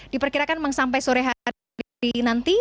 diperkirakan memang sampai sore hari nanti